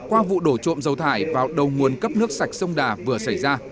qua vụ đổ trộm dầu thải vào đầu nguồn cấp nước sạch sông đà vừa xảy ra